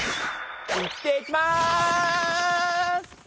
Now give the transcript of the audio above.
行ってきます！